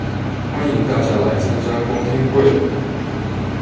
歡迎大家來參加公聽會